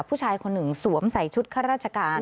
ผู้ชายคนหนึ่งสวมใส่ชุดข้าราชการ